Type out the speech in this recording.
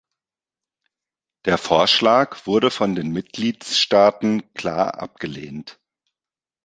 Der Vorschlag wurde von den Mitgliedstaaten klar abgelehnt.